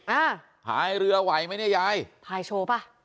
อ่าพายเรือไหวไหมเนี่ยยายพายโชว์ป่ะ